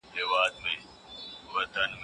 آیا اقتصاد د ټولنې په جوړښت اغېز لري؟